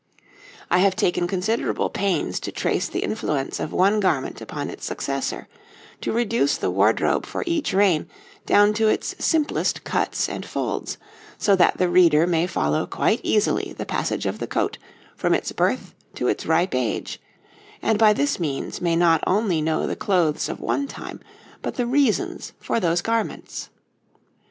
I have taken considerable pains to trace the influence of one garment upon its successor, to reduce the wardrobe for each reign down to its simplest cuts and folds, so that the reader may follow quite easily the passage of the coat from its birth to its ripe age, and by this means may not only know the clothes of one time, but the reasons for those garments.